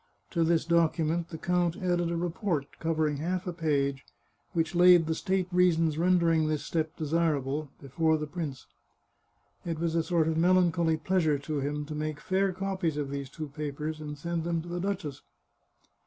To this document the count added a report, covering half a page, which laid the state reasons rendering this step desirable, before the prince. It was a sort of melancholy pleasure to him to make fair copies of these two papers, and send them to the duchess.